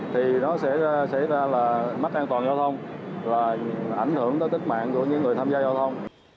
thì nó sẽ xảy ra là mất an toàn giao thông là ảnh hưởng tới tính mạng của những người tham gia giao thông